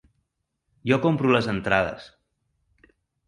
Jo compro les entrades.